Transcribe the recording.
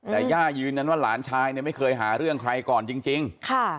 แต่ย่ายืนยันว่าหลานชายเนี่ยไม่เคยหาเรื่องใครก่อนจริงค่ะ